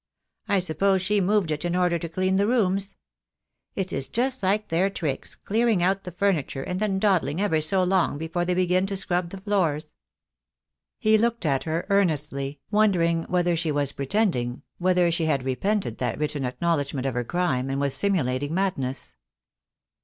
I suppose she moved it in order to clean the rooms. It is just like their tricks, clearing out the furniture and then dawdling ever so long before they begin to scrub the floors." He looked at her earnestly, wondering whether she was pretending, whether she had repented that written acknowledgment of her crime, and was simulating mad ness.